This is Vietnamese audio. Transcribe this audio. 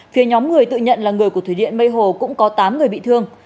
phía nhóm người tự nhận là người của thủy điện mây hồ cũng có tám người bị thương